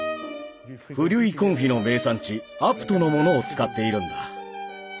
フリュイ・コンフィの名産地アプトのものを使っているんだ。